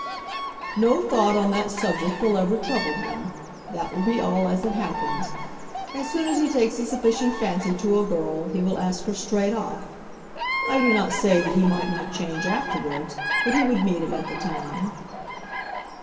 "No thought on that subject will ever trouble him. That will be all as it happens. As soon as he takes a sufficient fancy to a girl he will ask her straight off. I do not say that he might not change afterwards, but he would mean it at the time."